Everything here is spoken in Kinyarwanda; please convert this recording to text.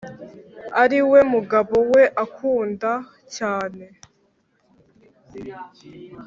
Ari we mugabo we akunda cyane